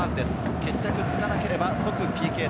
決着がつかなければ即ＰＫ戦。